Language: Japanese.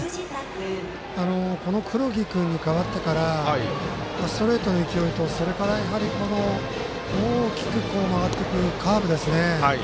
この黒木君に代わってからストレートの勢いと大きく曲がってくるカーブ。